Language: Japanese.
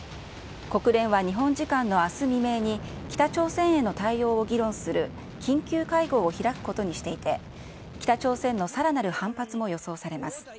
国連は日本時間のあす未明に、北朝鮮への対応を議論する緊急会合を開くことにしていて、北朝鮮のさらなる反発も予想されます。